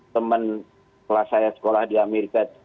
temen kelas saya sekolah di amerika dulu